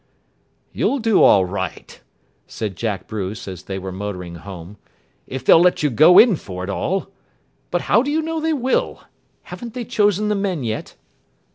"You'll do all right," said Jack Bruce, as they were motoring home, "if they'll let you go in for it all. But how do you know they will? Have they chosen the men yet?"